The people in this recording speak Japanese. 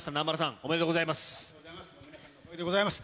ありがとうございます。